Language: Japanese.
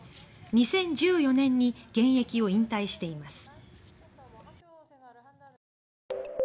２０１４年に現役を引退しています。